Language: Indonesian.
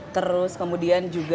terus kemudian juga